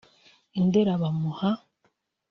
i Ndera bamuha